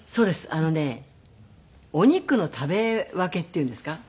あのねお肉の食べ分けっていうんですか？